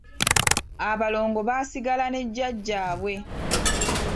Abalongo baasigala ne Jjajjaabwe.